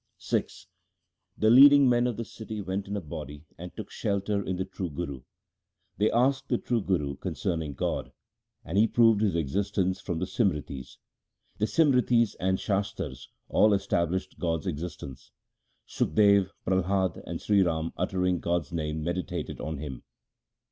VI The leading men of the city went in a body, and took shelter in the true Guru. They asked the true Guru concerning God, and he proved His existence from the Simritis. The Simritis and Shastars all established God's existence ; Shukdev, Prahlad 2 , and Sri Ram uttering God's name medi tated on Him.